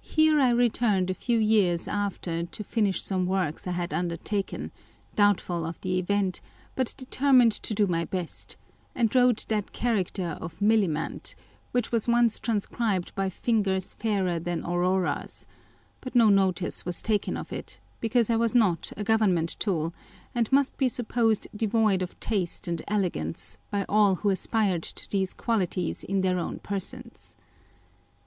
Here 1" returned a few years after to finish some works I had undertaken, doubtful of the event, but determined to do my best ; and wrote that character of Millimant 2 which was once transcribed by fingers fairer than Aurora's, but no notice was taken of it, because I was not a Government tool, and must be supposed devoid of taste and elegance by all who aspired to these qualities in their own persons.